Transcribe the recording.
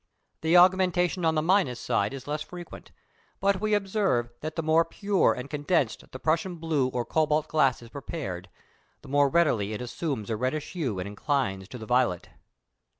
The augmentation on the minus side is less frequent; but we observe that the more pure and condensed the Prussian blue or cobalt glass is prepared, the more readily it assumes a reddish hue and inclines to the violet.